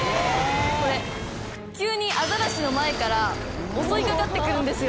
これ急にアザラシの前から襲いかかってくるんですよ」